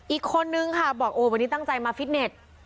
อีกคนนึงค่ะบอกโอ้วันนี้ตั้งใจมาฟิตเน็ต